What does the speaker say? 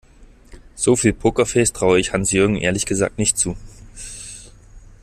So viel Pokerface traue ich Hans-Jürgen ehrlich gesagt nicht zu.